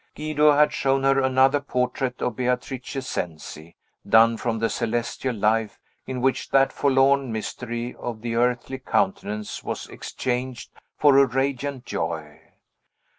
Guido had shown her another portrait of Beatrice Cenci, done from the celestial life, in which that forlorn mystery of the earthly countenance was exchanged for a radiant joy.